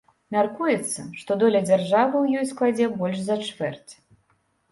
Мяркуецца, што доля дзяржавы ў ёй складзе больш за чвэрць.